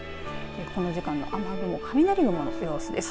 この時間の雨雲、雷の様子です。